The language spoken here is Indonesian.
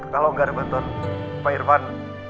kalau gak ada benton pak irvan